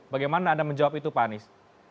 bagaimana anda menjawab itu pak anies